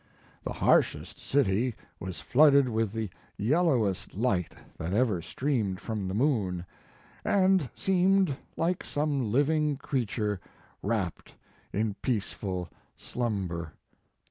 The harshest city was flooded with the yellowest light that ever streamed from the moon, and seemed like some living creature wrapped in peaceful slumber.